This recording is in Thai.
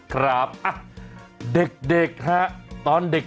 ครับเด็กฮะตอนเด็ก